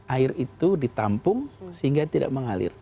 air itu ditampung sehingga tidak mengalir